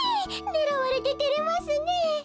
ねらわれててれますねえ。